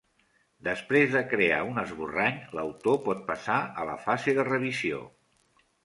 Després de crear un esborrany, l'autor pot passar a la fase de revisió.